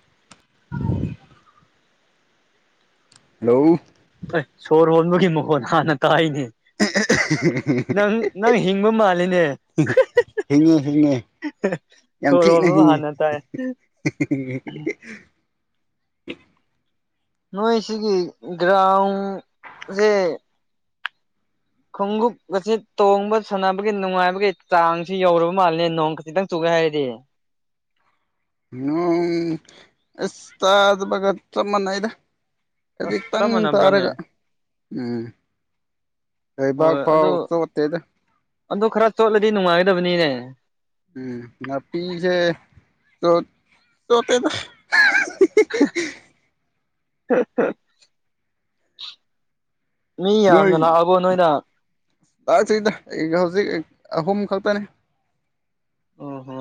ꯎ ꯍꯜꯂꯣ ꯑꯩ ꯁꯣꯔ ꯍꯣꯟꯕꯒꯤ ꯃꯈꯣꯟꯜ ꯍꯥꯟꯅ ꯇꯥꯏꯅꯦ ꯅꯪ ꯅꯪ ꯍꯤꯡꯕ ꯃꯥꯜꯂꯤꯅꯦ ꯍꯤꯡꯉꯦ ꯍꯤꯡꯉꯦ ꯌꯥꯝ ꯁꯣꯔꯣꯝ ꯊꯤꯅ ꯑꯃ ꯍꯥꯟꯅ ꯇꯥꯏ [inaudible] ꯅꯣꯏꯁꯤꯒꯤ ꯒ꯭ꯔꯥꯎꯟꯁꯦ ꯈꯣꯡꯎꯞ ꯑ ꯑꯁꯤ ꯇꯣꯡꯕ ꯁꯥꯟꯅꯕꯒꯤ ꯅꯨꯡꯉꯥꯏꯕꯒꯤ ꯆꯥꯡꯁꯤ ꯌꯧꯔꯕ ꯃꯥꯜꯂ ꯅꯣꯡ ꯈꯖꯤꯛꯇꯪ ꯆꯨꯒ ꯍꯥꯏꯗꯤ ꯎꯝ ꯑꯦꯁ ꯑꯗꯨꯗꯕꯒ ꯆꯃꯥꯟꯅ ꯏꯗ ꯍꯥꯏꯖꯤ ꯑꯁ ꯆꯞ ꯇꯪ ꯃꯥꯟꯅꯕ꯭ꯔꯥꯅꯦ ꯇꯥꯔꯒ ꯎꯝ ꯍꯣꯏꯕꯥ ꯍꯣꯏ ꯐꯥꯎ ꯑꯗꯨ ꯆꯧꯠꯇꯦꯗ ꯑꯗꯨ ꯈꯔ ꯆꯣꯠꯂꯗꯤ ꯅꯨꯡꯉꯥꯏꯒꯗꯕꯅꯤꯅꯦ ꯎꯝ ꯃꯥ ꯄꯤꯁꯦ ꯇꯣꯇ ꯍ ꯃꯤ ꯌꯥꯝꯅ ꯂꯥꯛꯑꯕꯣ ꯅꯣꯏꯅ ꯇꯥꯛꯁꯤꯗ ꯍꯧꯖꯤꯛ ꯑꯍꯨꯝ ꯈꯛꯇꯅꯦ ꯑꯣ ꯍꯣ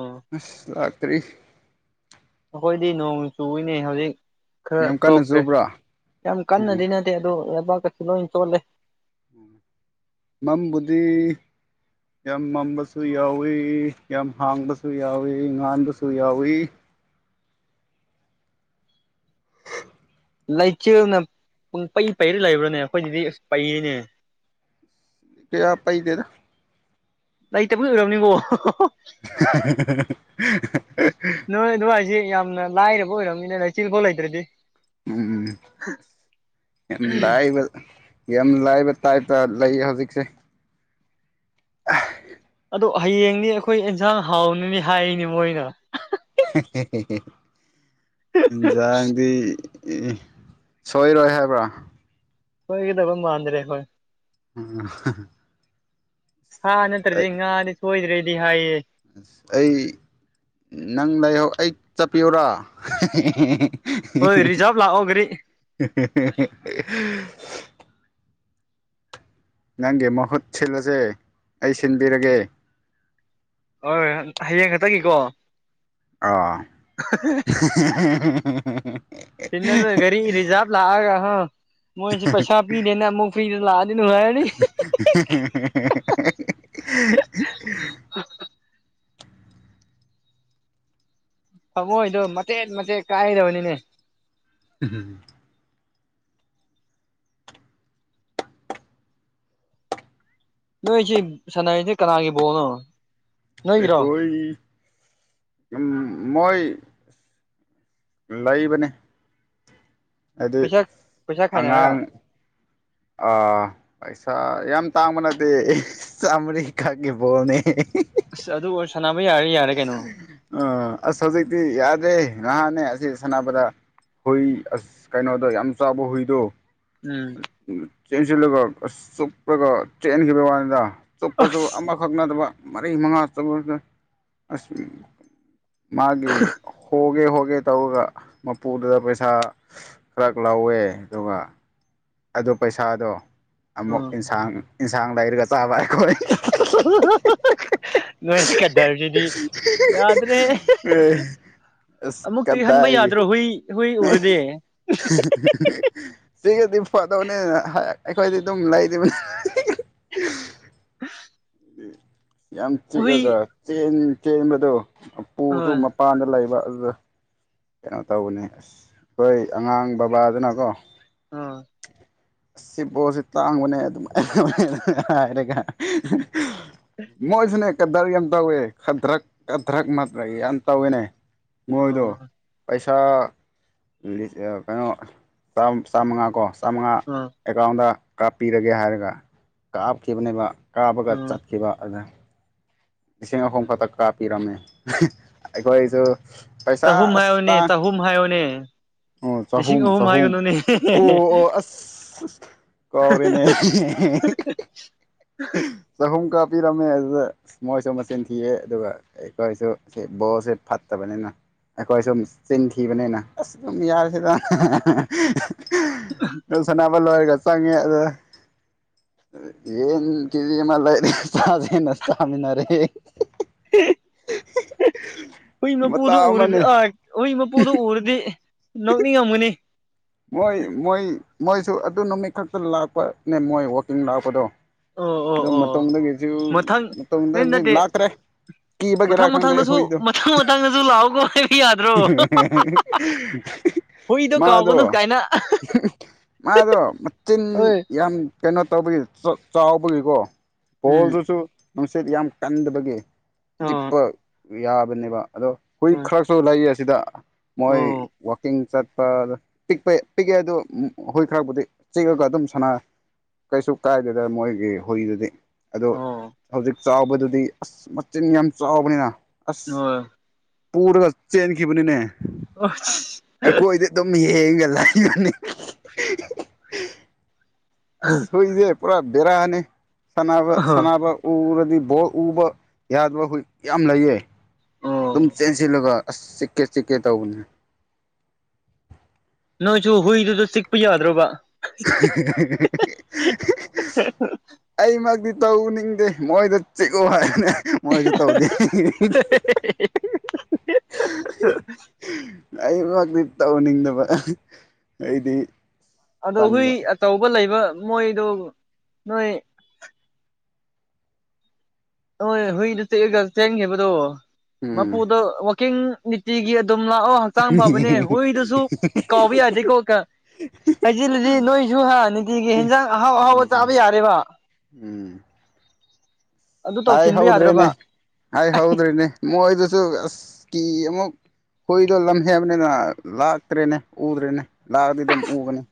ꯇ꯭ꯔꯤ ꯑꯩꯈꯣꯏꯗꯤ ꯅꯣꯡ ꯆꯨꯏꯅꯦ ꯍꯧꯖꯤꯛ ꯈꯔ ꯌꯥꯝ ꯀꯟꯅ ꯇꯣꯛꯈ꯭ꯔꯦ ꯆꯨꯕ꯭ꯔꯥ ꯌꯥꯝ ꯎꯝ ꯀꯟꯅꯗꯤ ꯅꯠꯇꯦ ꯑꯗꯨ ꯂꯩꯕꯥꯛꯀꯁꯨ ꯂꯣꯏ ꯆꯣꯠꯂꯦ [inaudible] ꯃꯝꯕꯨꯗꯤꯤ ꯌꯥꯝ ꯃꯝꯕꯁꯨ ꯌꯥꯎꯏꯤ ꯌꯥꯝ ꯍꯥꯡꯕꯁꯨ ꯌꯥꯎꯏꯤ ꯉꯥꯟꯕꯁꯨ ꯌꯥꯎꯏꯤ ꯂꯩꯆꯦꯜꯅ ꯄꯨꯡ ꯄꯩ ꯄꯩꯔ ꯂꯩꯕ꯭ꯔꯥꯅꯦ ꯑꯩꯈꯣꯏꯗꯗꯤ ꯑꯁ ꯄꯩꯅꯦ ꯀꯌꯥꯄꯥꯏꯗꯔ ꯂꯩꯇꯕꯗꯤ ꯑꯣꯏꯔꯝꯅꯤꯀꯣ [inaudible] ꯅꯣꯏ ꯑꯗꯨ ꯍꯥꯏꯁꯤꯦ ꯌꯥꯝꯅ ꯂꯥꯏꯔꯕ ꯑꯣꯏꯔꯕꯝꯅꯤꯅ ꯂꯥꯏꯆꯤꯜ ꯐꯥꯎ ꯂꯩꯇ꯭ꯔꯗꯤ ꯎꯝ ꯑꯦ ꯏꯕ ꯌꯥꯝ ꯂꯥꯏꯕ ꯇꯥꯏꯞꯇ ꯂꯩ ꯍꯧꯖꯤꯛꯁꯦ ꯑꯗꯣ ꯍꯌꯦꯡꯅꯤ ꯑꯩꯈꯣꯏ ꯑꯦꯟꯁꯥꯡ ꯍꯥꯎꯅꯤꯅꯤ ꯍꯥꯏꯔꯤꯅꯤ ꯃꯣꯏꯅ ꯏꯖꯥꯡꯗꯤ ꯁꯣꯏꯔꯣꯏ ꯍꯥꯏꯕ꯭ꯔꯥ ꯍꯣꯏꯒꯗꯕ ꯃꯥꯟꯗ꯭ꯔꯦ ꯍꯣꯏ ꯎꯝ ꯁꯥ ꯅꯠꯇ꯭ꯔꯗꯤ ꯉꯥꯗꯤ ꯁꯣꯏꯗ꯭ꯔꯦꯗꯤ ꯍꯥꯏꯌꯦ ꯑꯁ ꯑꯩ ꯅꯪ ꯂꯥꯏꯍꯧ ꯑꯩ ꯆꯠꯄꯤꯌꯧꯔꯥ ꯍꯣꯏ ꯔꯤꯖꯥꯚ ꯂꯥꯛꯑꯣꯈꯔꯤ [inaudible] ꯅꯪꯒꯤ ꯃꯍꯨꯠ ꯁꯤꯜꯂꯁꯦ ꯑꯩ ꯁꯤꯟꯕꯤꯔꯒꯦ ꯍꯣꯏ ꯍꯣꯏ ꯍꯌꯦꯡ ꯈꯛꯇꯒꯤꯀꯣ ꯑ ꯁꯤꯅꯗ ꯒꯥꯔꯤ ꯔꯤꯖꯥꯕ ꯂꯑꯒ ꯍ ꯃꯣꯏꯁꯤ ꯄꯩꯁꯥ ꯄꯤꯗꯦꯅ ꯑꯃꯨꯛ ꯐ꯭ꯔꯤꯗ ꯂꯥꯛꯑꯗꯤ ꯅꯨꯡꯉꯥꯏꯔꯅꯤ [inaudible] [inaudible] [inaudible] ꯊꯃꯣꯏꯗꯣ ꯃꯇꯆꯦꯠ ꯃꯆꯦꯠ ꯀꯥꯏꯗꯕꯅꯤꯅꯦ ꯎ ꯅꯣꯏꯁꯤꯦ ꯁꯅꯥꯏꯁꯦ ꯀꯅꯥꯒꯤꯕꯣꯅꯣ ꯑꯩꯈꯣꯏꯝ ꯃꯣꯏ ꯂꯩꯕꯅꯦ ꯍꯥꯏꯗꯤ ꯄꯩꯁꯥ ꯄꯩꯁꯥ ꯈꯥꯏꯅꯔꯒ ꯑꯉꯥꯡ ꯑꯥ ꯄꯩꯁꯥ ꯌꯥꯝ ꯇꯥꯡꯕ ꯅꯠꯇꯦ ꯆꯥꯝꯔꯤꯀꯥꯒꯤ ꯕꯣꯅꯤ ꯑꯁ ꯑꯗꯨ ꯑꯣꯏꯔ ꯁꯥꯟꯅꯕ ꯌꯥꯔꯦ ꯌꯥꯔꯦ ꯀꯩꯅꯣ ꯑ ꯑꯁ ꯍꯧꯖꯤꯛꯇꯤ ꯌꯥꯗꯦ ꯅꯍꯥꯟꯅꯦ ꯑꯁꯤ ꯁꯥꯟꯅꯕꯗ ꯍꯨꯏ ꯑꯁ ꯀꯩꯅꯣꯗꯣ ꯌꯥꯝ ꯆꯥꯎꯕ ꯍꯨꯏꯗꯣ ꯎꯝ ꯆꯦꯟꯁꯤꯜꯂꯒ ꯑꯁ ꯆꯨꯞꯄꯒ ꯆꯦꯟꯈꯤꯕꯒꯤ ꯋꯥꯅꯤꯗ ꯆꯨꯞꯄꯁꯨ ꯑꯁ ꯑꯃꯈꯛ ꯅꯠꯇꯕ ꯃꯔꯤ ꯃꯉꯥ ꯆꯒ ꯑꯁ ꯃꯥꯒꯤ ꯍꯣꯒꯦ ꯍꯣ ꯇꯧꯒꯦ ꯇꯧꯔꯒ ꯃꯄꯨꯗꯨꯗ ꯄꯩꯁꯥ ꯈꯔ ꯂꯧꯋꯦ ꯑꯗꯨꯒ ꯑꯗꯨ ꯄꯩꯁꯥꯗꯣ ꯑꯃꯨꯛ ꯎꯝ ꯏꯟꯁꯥꯡ ꯑꯦꯟꯁꯥꯡ ꯂꯩꯔꯒ ꯆꯥꯕ ꯑꯩꯈꯣꯏ ꯅ ꯀꯗꯖꯤꯗꯤ ꯌꯥ ꯦ ꯑꯁ ꯑꯃꯨꯛꯇꯤ ꯍꯟꯕ ꯀꯗꯥꯏꯒꯤ ꯌꯥꯗ꯭ꯔꯣ ꯍꯨꯏ ꯍꯨꯏ ꯎꯔꯗꯤ ꯍꯨꯏ ꯁꯤꯒꯗꯤ ꯐꯗ ꯍꯥꯏ ꯑꯩꯈꯣꯏꯗꯤ ꯑꯗꯨꯝ ꯂꯩꯔꯤꯕꯅꯤ ꯌꯥꯝ ꯍꯣꯏ ꯆꯤꯛꯑꯒ ꯆꯦꯟꯕꯗꯣ ꯄꯨꯁꯨ ꯑꯥ ꯃꯄꯥꯟꯗ ꯂꯩꯕ ꯑꯗꯨꯗ ꯀꯩꯅꯣ ꯇꯧꯕꯅꯦ ꯑꯁ ꯑꯩꯈꯣꯏ ꯑꯉꯥꯡ ꯕꯕꯥꯗꯨꯅꯀꯣ ꯑꯥ ꯁꯤꯕꯣꯠꯁꯤ ꯇꯥꯡꯕꯅꯦ ꯑꯗꯨꯃꯥꯏ ꯍꯥꯏꯔꯒ ꯃꯣꯏ ꯁꯅꯦ ꯈ ꯀꯗ꯭ꯔꯛ ꯌꯥꯝ ꯇꯧꯏꯦ ꯈꯊ꯭ꯔꯛ ꯀꯊ꯭ꯔꯛ ꯃꯊ꯭ꯔꯛ ꯌꯥꯝ ꯇꯧꯏꯦꯅꯦ ꯃꯣꯏꯗꯣ ꯄꯩꯁꯥ ꯀꯩꯅꯣ ꯆꯥꯝꯃꯉꯥ ꯀꯣ ꯆꯥꯝꯃꯉꯥ ꯑꯥ ꯑꯦꯀꯥꯎꯟꯗ ꯀꯥꯞꯄꯤꯔꯒꯦ ꯍꯥꯏꯔꯒ ꯀꯥꯞꯈꯤꯕꯅꯦꯕ ꯀꯥꯕꯒ ꯑꯥ ꯆꯠꯈꯤꯕ ꯑꯗ ꯂꯤꯁꯤꯡ ꯑꯍꯨꯝ ꯐꯛꯇꯛ ꯀꯥ ꯄꯤꯔꯝꯃꯦ ꯑꯩꯈꯣꯏꯁꯨ ꯄꯩꯁꯥ ꯆꯍꯨꯝ ꯑꯁ ꯍꯥꯏꯌꯣꯅꯦ ꯇꯥꯡ ꯆꯍꯨꯝ ꯍꯥꯏꯌꯣꯅꯦ ꯑꯣ ꯂꯤꯁꯤꯡ ꯆꯍꯨꯝ ꯑꯍꯨꯝ ꯆꯍꯨꯝ ꯍꯥꯏꯒꯅꯨꯅꯦ ꯑꯣ ꯑꯣ ꯑꯁ ꯀꯥꯎꯔꯦꯅꯦ [inaudible] ꯄꯨꯡ ꯀꯥ ꯄꯤꯔꯝꯃꯦ ꯑꯗꯨꯗ ꯃꯣꯏꯁꯨ ꯃꯆꯤꯟ ꯊꯤꯌꯦ ꯑꯗꯨꯒ ꯀꯔꯤꯁꯨ ꯕꯣꯣꯔꯁꯦ ꯐꯠꯇꯕꯅꯤꯅ ꯑꯩꯈꯣꯏ ꯁꯨꯝ ꯆꯤꯟ ꯊꯤꯕꯅꯤꯅ ꯑꯁ ꯑꯗꯨꯝ ꯌꯥꯔꯤꯁꯤꯗ ꯅꯣꯏ ꯁꯥꯟꯅꯕ ꯂꯣꯏꯔꯒ ꯆꯪꯉꯦ ꯑꯗ ꯌꯦ ꯀ ꯑꯃ ꯂꯩꯔꯦ ꯆꯖꯦꯅ ꯆꯃꯤꯅꯔꯦ [inaudible] ꯍ ꯃꯇꯥ ꯃꯄꯨꯗ ꯎꯔꯗ ꯑꯃꯅꯦ ꯍꯧ ꯃꯄꯨꯗ ꯎꯔꯗꯤ ꯅꯣꯛꯅꯤꯡꯉꯝꯃꯨꯅꯤ ꯃꯣꯏ ꯃꯣꯏ ꯃꯣꯏꯁꯨ ꯑꯗꯨ ꯅꯨꯃꯤꯠ ꯈꯛꯇ ꯂꯥꯛꯄꯅꯦ ꯃꯣꯏ ꯋꯥꯛꯀꯤꯡ ꯂꯥꯛꯄꯗꯣ ꯑꯣ ꯃꯇꯝꯗꯒꯤꯁꯨ ꯃꯊꯪ ꯃꯇꯝꯗꯤ ꯅꯠꯇꯦ ꯂꯥꯛꯇ꯭ꯔꯦ ꯀ ꯃꯊꯪ ꯒꯦꯔ ꯈꯪꯗ ꯍ ꯃꯊꯪꯗꯁꯨ ꯏꯗꯣ ꯃꯊꯪ ꯃꯊꯪꯗꯁꯨ ꯂꯥꯛꯑꯣꯀꯣ ꯍꯥꯏꯕ ꯌꯥꯗ꯭ꯔꯣ ꯍꯨꯏꯗꯣ ꯀꯥꯎꯒꯅꯨ ꯃꯥꯗꯣ ꯀꯥꯏꯅ ꯃꯥꯗꯣ ꯃꯆꯤꯟ ꯍꯣꯏ ꯌꯥꯝ ꯀꯩꯅꯣ ꯇꯧꯕꯒꯤ ꯆꯥꯎꯕꯒꯤꯀꯣ ꯎꯝ ꯕꯣꯜꯗꯨꯁꯨ ꯅꯨꯡꯁꯤꯠ ꯌꯥꯝ ꯀꯟꯗꯕꯒꯤ ꯑꯣ ꯆꯤꯛꯄ ꯌꯥꯕꯅꯦꯕ ꯑꯗꯣ ꯍꯨꯏ ꯍꯣꯏ ꯈꯔꯁꯨ ꯂꯩꯌꯦ ꯑꯁꯤꯗ ꯃꯣꯏ ꯑꯣ ꯋꯥꯀꯤꯡ ꯆꯠ ꯄꯤꯛꯄ ꯄꯤꯛꯑꯦ ꯍꯥꯏ ꯑꯗꯨ ꯑꯩꯈꯣꯏ ꯈꯔꯕꯨꯗꯤ ꯆꯤꯛꯑꯒ ꯑꯗꯨꯝ ꯁꯥꯟꯅ ꯀꯩꯁꯨ ꯀꯥꯏꯗꯦꯗ ꯃꯣꯏꯒꯤ ꯍꯣꯏꯗꯨꯗꯤ ꯑꯗꯣ ꯑꯣ ꯍꯧꯖꯤꯛ ꯆꯥꯎꯕꯗꯨꯗꯤ ꯑꯁ ꯃꯆꯤꯟ ꯌꯥꯝ ꯆꯥꯎꯕꯅꯤꯅ ꯍ ꯑꯁ ꯄꯨꯔꯒ ꯆꯦꯟꯈꯤꯕꯅꯤꯅꯦ ꯑꯣ ꯑꯩꯈꯣꯏꯗꯤ ꯑꯗꯨꯝ ꯍꯡꯒꯏ ꯂꯅꯤ ꯑꯁꯣꯏꯁꯦ ꯄꯨꯔꯥ ꯕꯦꯔꯥꯑꯅꯤ ꯁꯅꯕ ꯑꯣ ꯁꯅꯕ ꯎꯔꯗꯤ ꯑꯗꯨ ꯕꯣꯔ ꯎꯕ ꯌꯥꯗꯕ ꯍꯧꯈꯣꯏ ꯌꯥꯝ ꯂꯩꯌꯦ ꯑꯗꯨꯝ ꯑꯣ ꯆꯦꯟꯁꯤꯜꯂꯒ ꯑꯁ ꯆꯤꯛꯀꯦ ꯆꯤꯛꯀꯦ ꯇꯧꯕꯅꯦ ꯅꯣꯏꯁꯨ ꯍꯨꯏꯗꯨꯗ ꯆꯤꯛꯄ ꯌꯥꯗ꯭ꯔꯣꯕ ꯑꯩ ꯃꯒꯗꯤ ꯇꯧꯅꯤꯡꯗꯦ ꯃꯣꯏꯗ ꯆꯤꯛꯎ ꯍꯥꯏꯕꯅꯦ ꯃꯣꯏꯁꯨ ꯇꯧꯗꯦ [unintelligible] ꯑꯩ ꯉꯛꯇꯤ ꯇꯧꯟꯅꯤꯡꯗꯕ ꯑꯩꯗꯤ ꯑꯗꯣ ꯍꯨꯏ ꯇꯟꯕ ꯑꯆꯧꯕ ꯂꯩꯕ ꯃꯣꯏꯗꯣ ꯅꯣꯏ ꯍꯣꯏ ꯍꯨꯏꯗ ꯆꯦꯛꯑꯒ ꯆꯦꯟꯈꯤꯕꯗꯣ ꯎꯝ ꯃꯄꯨꯗ ꯋꯀꯤꯡ ꯅꯤꯇꯤꯒꯤ ꯑꯗꯨꯝ ꯂꯥꯛꯑꯣ ꯍꯛꯆꯥꯡ ꯐꯕꯅꯦ ꯍꯨꯏꯗꯨꯁꯨ ꯀꯥꯎꯕ ꯌꯥꯗꯦꯀꯣ ꯍꯩꯖꯤꯜꯂꯗꯤ ꯅꯣꯏꯁꯨ ꯍꯥ ꯅꯨꯡꯇꯤꯒꯤ ꯎꯝ ꯍꯟꯖꯥꯡ ꯑꯍꯥꯎ ꯑꯍꯥꯎꯕ ꯆꯥꯕ ꯌꯥꯔꯦꯕ ꯎꯝ ꯑꯗꯨ ꯍꯥꯏꯥꯏ ꯇꯧꯁꯤꯟꯕ ꯍꯥꯎꯗ꯭ꯔꯔꯤꯅꯦ ꯌꯥꯗ꯭ꯔꯕ ꯍꯥꯏꯥꯏ ꯍꯥꯎꯗ꯭ꯔꯔꯤꯅꯦ ꯃꯣꯏꯣꯏ ꯑꯁꯀꯤꯤ ꯑꯃꯨꯛ ꯍꯨꯣꯏꯗꯣ ꯂꯝꯍꯦꯕꯅꯤꯅ ꯂꯥꯛꯇ꯭ꯔꯦꯅꯦ ꯎꯗ꯭ꯔꯦꯅꯦ ꯂꯥꯛꯑꯗꯤ ꯑꯗꯨꯝ ꯎꯒꯅꯤ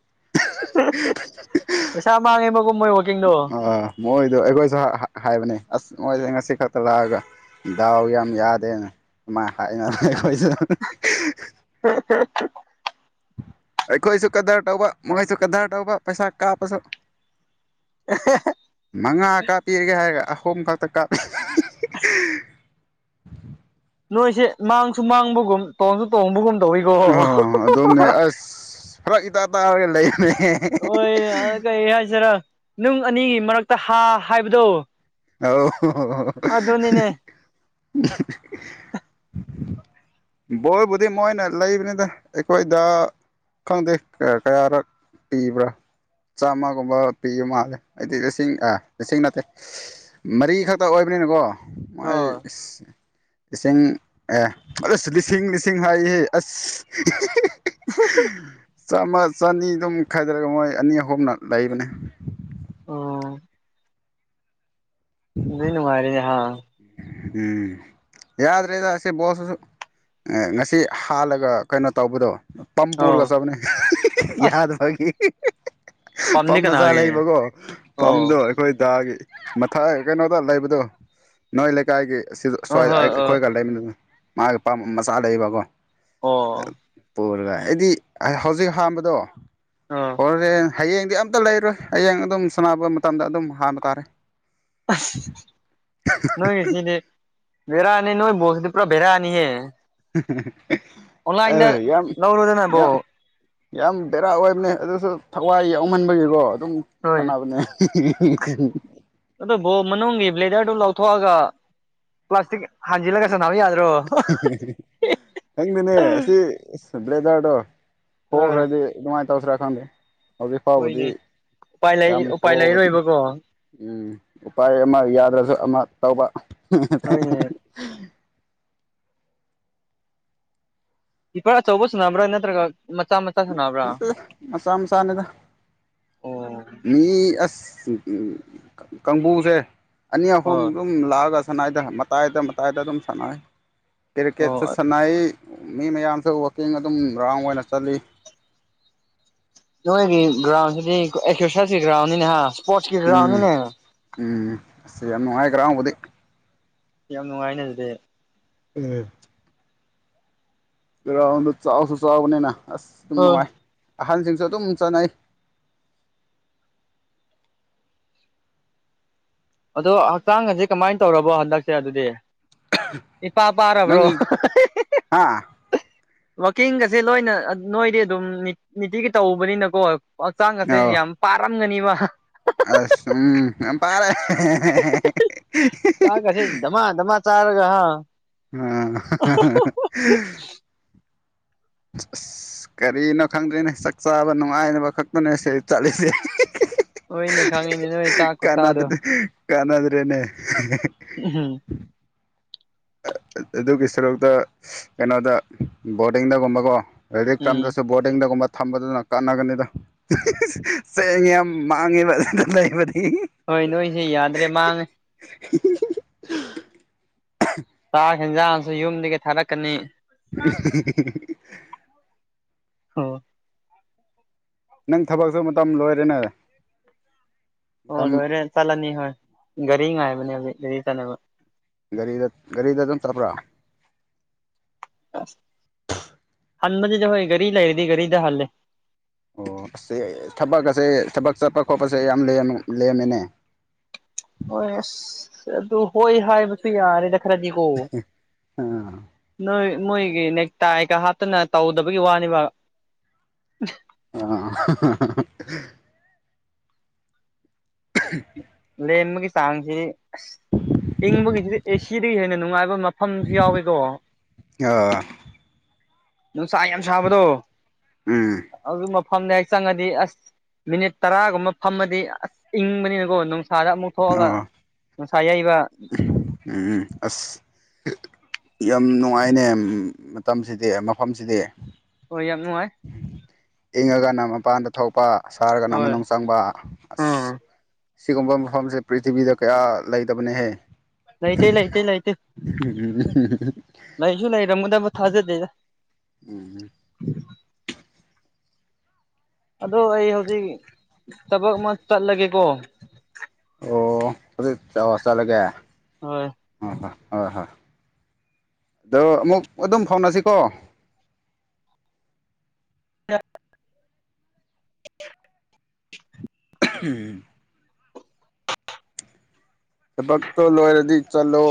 ꯋꯥꯀꯤꯦꯗꯣ ꯑꯥ ꯃꯣꯏꯗꯣ ꯑꯩꯈꯣꯏꯁꯨ ꯍꯥꯏꯕꯅꯦ ꯑꯁ ꯃꯣꯏꯁꯦ ꯉꯁꯤ ꯈꯛꯇ ꯂꯥꯛꯑꯒ ꯗꯥꯎ ꯌꯥꯝ ꯌꯥꯗꯦꯅ ꯃꯥ ꯍꯥꯏꯥꯏꯅ ꯀꯣꯏꯁ ꯑꯩꯈꯣꯏꯁꯨ ꯀꯗꯥꯔ ꯇꯧꯕ ꯃꯈꯣꯏꯁꯨ ꯀꯗꯥꯔ ꯇꯧꯕ ꯄꯩꯁꯥ ꯀꯥꯞꯄꯁꯨ ꯃꯉꯥ ꯀꯥꯄꯤꯤꯔꯒꯦ ꯍꯥꯏꯔꯒ ꯈꯣꯝ ꯈꯥꯛꯛꯇ ꯀꯥ ꯅꯣꯏꯁꯦ ꯃꯥꯡꯁꯨ ꯃꯥꯡꯕꯒꯨꯝ ꯇꯣꯡꯁꯨ ꯇꯣꯡꯕꯒꯨꯝ ꯇꯧꯋꯤꯀꯣ ꯄꯨ ꯏ ꯇꯔ ꯇꯔꯒ ꯂꯩ ꯍꯣꯏ ꯀꯩ ꯍꯥꯏꯁꯤꯔ ꯅꯨꯡ ꯑꯅꯤꯒꯤ ꯃꯔꯛꯇ ꯍꯥ ꯍꯥꯏꯕꯗꯣ ꯑꯣ ꯑꯗꯨꯅꯤꯅꯦ ꯕꯣꯏꯕꯨꯗꯤ ꯃꯣꯏꯅ ꯂꯩꯕꯅꯤꯗ ꯑꯩꯈꯣꯏꯗ ꯈꯪꯗꯦꯌꯥ ꯀꯌꯥꯔꯛ ꯄꯤꯕ꯭ꯔꯥ ꯆꯥꯝꯃꯒꯨꯝꯕ ꯄꯤꯌ ꯃꯥꯜꯂꯦ ꯑꯩꯗꯤ ꯂꯤꯁꯤꯡ ꯑ ꯂꯤꯁꯤꯡ ꯅꯠꯇꯦ ꯃꯔꯤ ꯈꯛꯇ ꯑꯣꯏꯕꯅꯤꯅꯀꯣ ꯃꯣꯏ ꯑꯣ ꯄꯆꯤꯡ ꯑꯦ ꯑꯁ ꯂꯤꯁꯤꯡ ꯂꯤꯁꯤꯡ ꯍꯥꯏꯍꯦ ꯑꯁ ꯆꯥꯝꯃ ꯆꯅꯤ ꯑꯗꯨꯝ ꯈꯥꯏꯗꯔꯒ ꯃꯣꯏ ꯑꯅꯤ ꯑꯍꯨꯝꯅ ꯂꯩꯕꯅꯦ ꯑꯣ ꯅꯨꯅꯨꯡꯉꯔꯦ ꯎꯝ ꯌꯥꯗ꯭ꯔꯦꯗ ꯁꯤꯦ ꯣꯁꯁꯨ ꯉꯁꯤ ꯍꯥꯜꯂꯒ ꯀꯩꯅꯣ ꯇꯧꯕꯗꯣ ꯑꯣ ꯄꯝꯄꯨꯔꯒ ꯁꯕꯅꯦ ꯑꯁ ꯌꯥꯗ ꯍꯥꯏꯒꯤ ꯄꯝ ꯄꯝꯗꯤ ꯃꯆꯥ ꯀꯅꯥꯒꯤ ꯂꯩꯕꯀꯣ ꯑꯣ ꯄꯝꯗꯣ ꯑꯩꯈꯣꯏ ꯗꯥꯒꯤ ꯃꯊꯥꯏ ꯀꯩꯅꯣꯗ ꯂꯩꯕꯗꯣ ꯅꯣꯏ ꯂꯩꯀꯥꯏꯒꯤ ꯁꯤꯗ ꯍꯣꯏ ꯁ꯭ꯋꯥꯏꯗ ꯍꯣꯏ ꯑꯣ ꯑꯩꯈꯣꯏ ꯈ ꯂꯩꯃꯤꯟꯅꯅ ꯃꯥꯒꯤ ꯃꯆꯥ ꯂꯩꯕꯀꯣ ꯑꯣ ꯄꯨꯔꯒ ꯑꯩꯗꯤ ꯍꯧꯖꯤꯛ ꯍꯥꯡꯝꯕꯗꯣ ꯑꯣ ꯍꯣꯔꯣꯔꯦꯟ ꯍꯌꯦꯡꯗꯤ ꯑꯝꯇ ꯂꯩꯔꯣꯏ ꯍꯌꯦꯡ ꯑꯗꯨꯝ ꯁꯥꯟꯅꯕ ꯃꯇꯝꯗ ꯑꯗꯨꯝ ꯍꯝꯕ ꯇꯥꯔꯦ ꯅꯣꯏ ꯁꯤꯗꯤ ꯕꯔꯥ ꯃ ꯅꯣꯏ ꯕꯁꯇ ꯄꯨ ꯦꯔꯥꯅꯤꯍꯦ ꯑ ꯌꯥꯝ ꯂꯧꯔꯣꯗꯅ ꯌꯥꯝ ꯕꯣꯜ ꯌꯥꯝ ꯕꯦꯔꯥ ꯑꯣꯏꯕꯅꯦ ꯑꯗꯨꯁꯨ ꯊꯋꯥꯏ ꯌꯥꯎꯍꯟꯕꯒꯤꯀꯣ ꯑꯗꯨꯝ ꯍꯣꯏ ꯁꯥꯟꯅꯕꯅꯦ ꯂ꯭ꯂꯦꯗꯔꯗꯨꯣ ꯂꯥꯎꯊꯣꯑꯒ ꯄ꯭ꯂꯥꯁꯇꯤꯛ ꯍꯥꯟꯖꯤꯜꯂꯒꯁꯤꯅ ꯅꯪꯗꯤꯅꯦ ꯑꯁꯤ ꯑ ꯕ꯭ꯂꯦꯖꯥꯔꯗꯣ ꯍꯣꯏ ꯍꯣꯈ꯭ꯔꯗꯤ ꯑꯗꯨꯃꯥꯏꯅ ꯇꯧꯁꯤꯔꯥ ꯈꯪꯗꯦ ꯍꯧꯖꯤꯛ ꯐꯥꯎꯕꯗꯤ ꯍꯣꯏꯅꯦ ꯎꯄꯥꯏ ꯌꯥꯝ ꯂꯩ ꯎꯄꯥꯏ ꯍꯣꯕꯅꯤ ꯂꯩꯔꯣꯏꯕꯀꯣ ꯎꯝ ꯎꯄꯥꯏ ꯑꯃ ꯌꯥꯗ꯭ꯔꯁꯨ ꯑꯃ ꯇꯧꯕ ꯍꯣꯏꯅꯦ ꯏꯄꯥ ꯆꯧꯧꯕꯁꯨ ꯅꯝꯕ꯭ꯔ ꯀ ꯠꯇ ꯃꯁꯥ ꯃꯁꯥꯅꯗ ꯑꯣ ꯃꯤ ꯑꯁ ꯀꯥꯡꯕꯨꯁꯦ ꯑꯅꯤ ꯑꯍꯨꯝ ꯑꯣ ꯑꯗꯨꯝ ꯂꯥꯛꯑꯒ ꯁꯥꯟꯅꯏꯗ ꯃꯇꯥꯏꯗ ꯃꯇꯥꯏꯗ ꯑꯗꯨꯝ ꯁꯥꯟꯅꯩ ꯀ꯭ꯔꯤꯀꯦꯠꯁ ꯑꯣ ꯁꯥꯟꯅꯩ ꯃꯤ ꯃꯌꯥꯝꯁꯨ ꯋꯥꯛꯀꯤꯡ ꯑꯗꯨꯝ ꯔꯥꯎꯟ ꯑꯣꯏꯅ ꯆꯠꯂꯤ ꯅꯣꯏꯒꯤ ꯒ꯭ꯔꯥꯎꯟꯗꯤ ꯑꯦꯛꯁꯔꯁꯥꯏꯁꯀꯤ ꯭ꯔꯥꯎꯟꯅꯤꯅꯦꯍ ꯎꯝ ꯄꯣꯁꯀꯤꯔꯅꯤꯅꯦ ꯀ꯭ꯔꯥꯎꯝꯕꯗꯤ ꯌꯥꯝ ꯅꯨꯡꯉꯥꯏꯅꯦ ꯑꯗꯨꯗꯤ ꯎꯝ ꯥꯎꯟꯗꯣ ꯆꯥꯎꯁꯨ ꯆꯥꯎꯕꯅꯤꯅ ꯑꯁ ꯑꯗꯨꯝ ꯑ ꯅꯨꯡꯉꯥꯏ ꯑꯍꯟꯁꯤꯡꯁꯨ ꯑꯗꯨꯝ ꯆꯠꯅꯩ ꯑꯗꯣ ꯍꯛꯆꯥꯡꯁꯦ ꯀꯃꯥꯏꯅ ꯇꯧꯔꯕꯣ ꯍꯟꯗꯛꯁꯦ ꯑꯗꯨꯗꯤ ꯏꯄꯥ ꯄꯥꯕ꯭ꯔꯣ ꯅꯪꯒꯤ ꯍꯥ ꯋꯥꯛꯀꯤꯡꯒꯁꯦ ꯂꯣꯏꯅ ꯅꯣꯏꯗꯤ ꯑꯗꯨꯝ ꯅꯤꯇꯤꯒꯤ ꯇꯧꯕꯅꯤꯅꯀꯣ ꯍꯛꯆꯥꯡ ꯑꯁ ꯌꯥꯝ ꯄꯥꯔꯝꯒꯅꯤꯕ ꯑꯁꯨꯝꯝ ꯄꯥꯔꯦ ꯇꯔꯒ ꯍꯥ ꯑ ꯑꯁ ꯀꯔꯤꯅꯣ ꯈꯪꯗꯦꯅꯦ ꯆꯥꯛ ꯆꯥꯕ ꯅꯨꯡꯉꯥꯏꯅꯕ ꯈꯛꯇꯅꯦ ꯁꯤ ꯆꯠꯂꯤꯁꯦ ꯍꯣꯏꯅꯦ ꯈꯪꯉꯤꯅꯦ ꯅꯣꯏ ꯆꯥꯛꯀ ꯆꯥꯗꯣ ꯀꯥꯟꯗ꯭ꯔꯦꯅꯦ ꯑꯗꯨꯒꯤ ꯁꯔꯨꯛꯇ ꯀꯩꯅꯣꯗ ꯕꯣꯔꯗꯤꯡꯗꯒꯨꯝꯕꯀꯣ ꯎꯝ ꯑꯦꯗꯤꯛꯇꯝꯁꯦ ꯣꯡꯗꯨꯝ ꯊꯝꯕꯗꯨꯅ ꯀꯥꯟꯅꯒꯅꯤꯗ ꯆꯦꯡ ꯌꯥꯝ ꯃꯥꯡꯉꯦꯕ ꯑꯗꯨꯗ ꯂꯩꯕꯗꯤ ꯍꯣꯏ ꯅꯣꯏꯁꯦ ꯌꯥꯗ꯭ꯔꯦ ꯃꯥꯡꯉꯦ [inaudible] ꯆꯥꯛ ꯌꯦꯦꯟꯖꯥꯡꯁꯨ ꯌꯨꯝꯗꯒꯤ ꯊꯥꯔꯛꯀꯅꯤ [inaudible] ꯍ ꯅꯪ ꯊꯕꯛꯁꯨ ꯃꯇꯝ ꯂꯣꯏꯔꯦꯅꯦ ꯑꯣ ꯃꯇꯝ ꯂꯣꯏꯔꯦ ꯆꯠꯂꯅꯤ ꯍꯣꯏ ꯒꯥꯔꯤ ꯉꯥꯏꯕꯅꯦ ꯍꯧꯖꯤꯛ ꯒꯥꯔꯤ ꯆꯠꯅꯕ ꯒꯥꯔꯤꯗ ꯒꯥꯔꯤꯗ ꯑꯗꯨꯝ ꯆꯠꯄ꯭ꯔꯥ ꯍ ꯃꯗꯤꯗ ꯍꯧꯣꯏ ꯔꯤ ꯂꯩꯔꯗꯤ ꯔꯤꯗ ꯍꯂ ꯑꯣ ꯑꯁꯤ ꯊꯕꯛ ꯑꯁꯦ ꯊꯕꯛ ꯆꯠꯄ ꯈꯣꯠꯄꯁꯦ ꯌꯥꯝ ꯂꯦꯝꯃꯤꯅꯦ ꯍꯣꯏ ꯑꯁ ꯑꯗꯨ ꯍꯣꯏ ꯍꯥꯏꯕꯁꯨ ꯌꯥꯔꯦ ꯈꯔꯖꯤ ꯀꯣ ꯑꯥ ꯅ ꯃꯣꯏꯒꯤ ꯅꯦꯛꯇꯀ ꯍꯥꯞꯇꯅ ꯇꯧꯗꯕꯒꯤ ꯋꯥꯅꯤꯕ ꯑ ꯂꯦꯝꯕꯒꯤ ꯆꯥꯡꯁꯤ ꯏꯪꯕꯒꯤꯁꯤꯗ ꯑꯦꯁꯤꯗꯒꯤ ꯍꯦꯟꯅ ꯅꯨꯡꯉꯥꯏꯕ ꯃꯐꯝꯁꯨ ꯌꯥꯎꯋꯀꯣ ꯑ ꯅꯨꯡꯁꯥ ꯌꯥꯝ ꯁꯥꯕꯗꯣ ꯎꯝ ꯑꯗꯨ ꯃꯐꯝꯗ ꯍꯥꯛ ꯆꯪꯉꯗꯤ ꯑꯁ ꯃꯤꯅꯤꯠ ꯇꯔꯥꯒꯨꯝꯕ ꯐꯝꯃꯗꯤ ꯑꯁ ꯏꯪꯕꯅꯤꯅꯀꯣ ꯃꯠꯊꯣꯛꯑꯒ ꯑꯥ ꯉꯅꯨꯡꯁꯥꯏ ꯎꯝ ꯑꯁ ꯌꯥꯝ ꯅꯨꯡꯉꯥꯏꯅꯦ ꯃꯇꯝꯁꯤꯗꯤ ꯃꯐꯝꯁꯤꯗꯤ ꯍ ꯌꯥꯝ ꯅꯨꯡꯉꯥꯏ ꯏꯪꯉꯒꯅ ꯃꯄꯥꯟꯗ ꯊꯣꯛꯄ ꯁꯥꯔꯒꯅ ꯍꯣꯏ ꯃꯅꯨꯡ ꯆꯪꯕ ꯎꯝ ꯑꯁ ꯁꯤꯒꯨꯝꯕ ꯃꯐꯝꯁꯦ ꯄ꯭ꯔꯤꯊꯤꯕꯤꯗ ꯀꯌꯥ ꯂꯩꯇꯕꯅꯍꯦ ꯂꯩꯇꯦ ꯂꯩꯇꯦ ꯂꯩꯇꯦ ꯂꯩꯁꯨ ꯂꯩꯔꯝꯃꯗꯕ ꯊꯥꯖꯗꯦꯗ ꯎꯝ ꯎꯝ ꯑꯗꯣ ꯑꯩ ꯍꯧꯖꯤꯛ ꯊꯕꯛ ꯑꯃ ꯆꯠꯂꯒꯦꯀꯣ ꯑꯣ ꯑꯗꯨ ꯆꯠꯂꯒꯦ ꯍ ꯍꯣꯏ ꯍꯣꯏ ꯍꯣꯏ ꯍꯣꯏ ꯑꯗꯣ ꯑꯃꯨꯛ ꯑꯗꯨꯝ ꯐꯣꯟꯅꯁꯤꯀꯣ ꯑ ꯎꯝ ꯍꯕꯛꯛꯇꯣ ꯂꯣꯏꯔꯗꯤ ꯆꯂꯣ